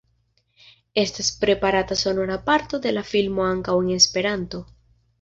Estas preparata sonora parto de la filmo ankaŭ en Esperanto.